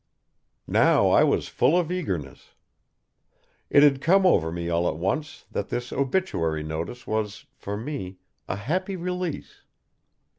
Now I was full of eagerness. It had come over me all at once that this obituary notice was, for me, a happy release.